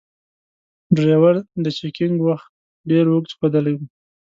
ډریور د چکینګ وخت ډیر اوږد ښودلای و.